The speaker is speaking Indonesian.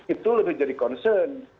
itu lebih jadi concern